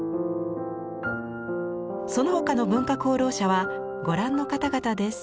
その他の文化功労者はご覧の方々です。